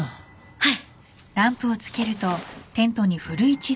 はい。